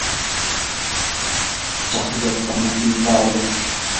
chaqlata mutuykayan.